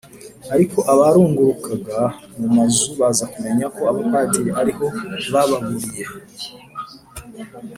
ariko abarungurukaga mu mazu baza kumenya ko abapadiri ari ho bababuriye